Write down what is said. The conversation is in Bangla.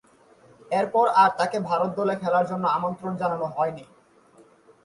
এরপর আর তাকে ভারত দলে খেলার জন্যে আমন্ত্রণ জানানো হয়নি।